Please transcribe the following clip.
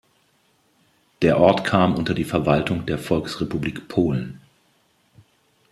Der Ort kam unter die Verwaltung der Volksrepublik Polen.